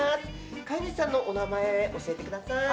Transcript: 飼い主さんのお名前教えてください。